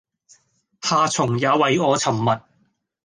夏蟲也為我沉默